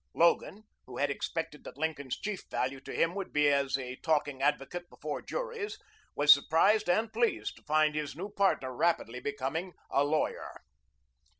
Logan, who had expected that Lincoln's chief value to him would be as a talking advocate before juries, was surprised and pleased to find his new partner rapidly becoming a lawyer.